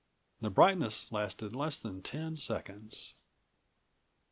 The brightness lasted less than ten seconds.